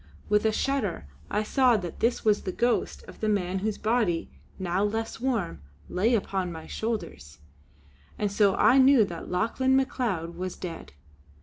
With a shudder I saw that this was the ghost of the man whose body, now less warm, lay upon my shoulders; and so I knew that Lauchlane Macleod was dead.